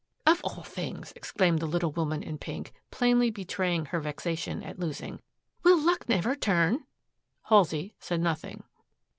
"Of all things," exclaimed the little woman in pink, plainly betraying her vexation at losing. "Will luck never turn?" Halsey said nothing.